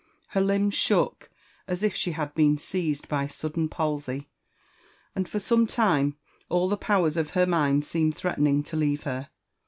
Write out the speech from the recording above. Her [limbs shook as if she had been seized by sudden ' palsy, and for some time all the powers of her mind seemed threaten ing to leave her.